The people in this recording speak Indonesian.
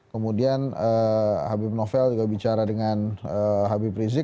kemudian habib novel juga bicara dengan habib rizik